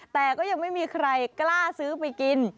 แต่ก็ยังไม่มีใครกล้าซื้อไปกิน